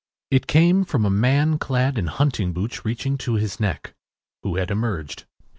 It came from a man clad in hunting boots reaching to his neck, who had emerged.